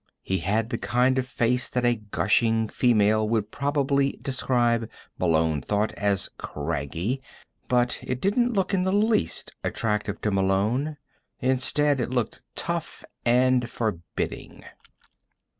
He had the kind of face that a gushing female would probably describe, Malone thought, as "craggy," but it didn't look in the least attractive to Malone. Instead, it looked tough and forbidding.